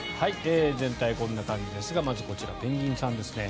全体、こんな感じですがまずこちら、ペンギンさんです。